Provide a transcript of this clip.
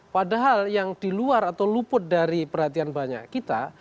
padahal yang diluar atau luput dari perhatian banyak kita